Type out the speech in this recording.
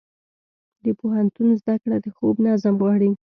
د پوهنتون زده کړه د خوب نظم غواړي.